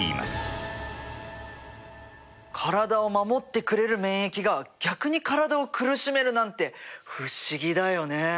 体を守ってくれる免疫が逆に体を苦しめるなんて不思議だよね。